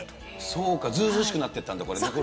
そうかずうずうしくなってったんだ残るから。